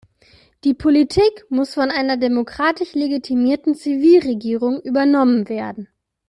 Die Politik muss von einer demokratisch legitimierten Zivilregierung übernommen werden.